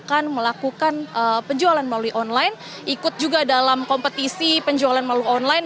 mereka akan melakukan penjualan melalui online ikut juga dalam kompetisi penjualan melalui online